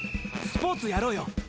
スポーツやろうよ。